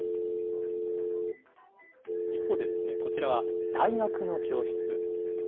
一方で、こちらは大学の教室。